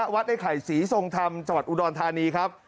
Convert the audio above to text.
ไอ้ไข่ศรีทรงธรรมจังหวัดอุดรธานีครับ